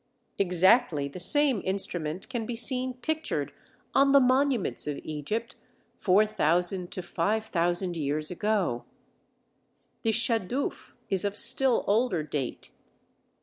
Exactly the same instrument can be seen pictured on the monuments of Egypt 4000 to 5000 years ago. The "shadouf" is of still older date.